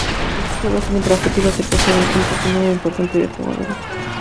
Estos juegos tienen por objetivo hacer que jueguen juntos un número importante de jugadores.